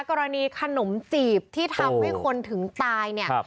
กรณีขนมจีบที่ทำให้คนถึงตายเนี่ย